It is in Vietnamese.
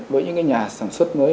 với những nhà sản xuất mới